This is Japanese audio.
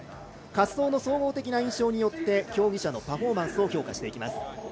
滑走の総合的な印象によって競技者のパフォーマンスを評価します。